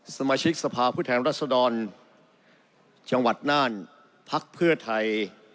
สมาชิกสภาพผู้แทนรัศดรจังหวัดน่านพักเพื่อไทย